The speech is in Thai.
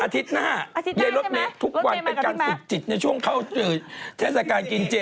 อาทิตย์หน้าไอ้รถเม็ดทุกวันไปการศึกจิตในช่วงเข้าทราบการกินเจ